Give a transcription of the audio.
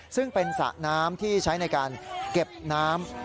ซึ่งเป็นสระน้ำที่ใช้ในการเก็บน้ำ